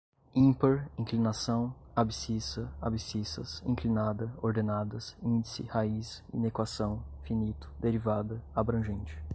ímpar, inclinação, abscissa, abscissas, inclinada, ordenadas, índice, raiz, inequação, finito, derivada, abrangente